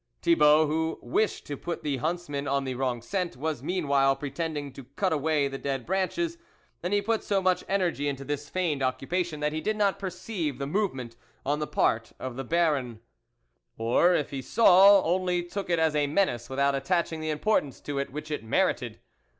Thibault, who wished to put the hunts men on the wrong scent, was meanwhile pretending to cut away the dead branches, and he put so much energy into this feigned occupation that he did not perceive the movement on the part of the Baron, or, if he saw, only took it as a menace, without attaching the importance to it which it merited.